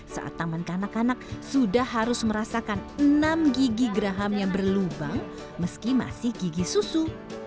saat taman kanak kanak sudah harus merasakan enam gigi geraham yang berlubang meski masih gigi susu